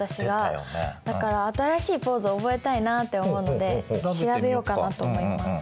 だから新しいポーズを覚えたいなって思うので調べようかなと思います。